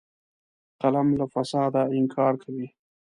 قلم له فساده انکار کوي